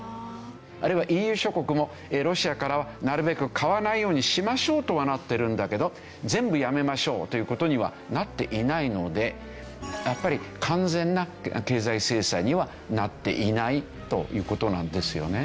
あるいはＥＵ諸国もロシアからはなるべく買わないようにしましょうとはなってるんだけど全部やめましょうという事にはなっていないのでやっぱり完全な経済制裁にはなっていないという事なんですよね。